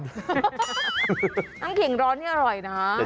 น้ำแข็งร้อนนี่อร่อยนะ